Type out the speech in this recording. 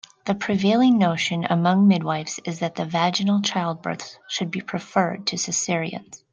The prevailing notion among midwifes is that vaginal childbirths should be preferred to cesareans.